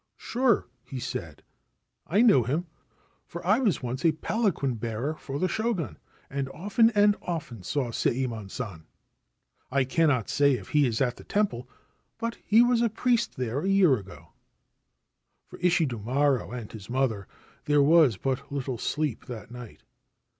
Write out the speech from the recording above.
'Sure,' he said, * I knew him, for I was once a palanquin bearer for the Shogun, and often and often saw Sayemon San. I cannot say if he is at the temple ; but he was a priest there a year ago/ .For Ishidomaro and his mother there was but little sleep that night.